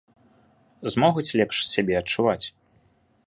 Змогуць лепш сябе адчуваць?